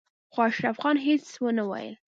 خو اشرف خان هېڅ ونه ويل.